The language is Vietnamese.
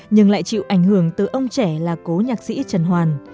nhưng lại chịu ảnh hưởng từ ông trẻ là cố nhạc sĩ trần hoàn